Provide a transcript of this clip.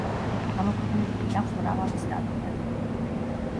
გამოქვეყნებული აქვს მრავალი სტატია.